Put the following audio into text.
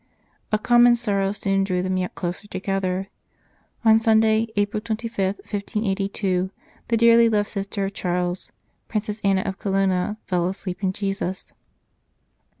A common sorrow soon drew them yet closer together. On Sunday, April 25, 1582, the dearly loved sister of Charles, Princess Anna of Colonna, fell asleep in Jesus.